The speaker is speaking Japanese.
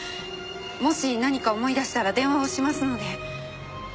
もし何か思い出したら電話をしますので。